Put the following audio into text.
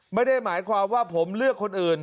ไม่ได้หมายความว่าผมเลือกคนอื่น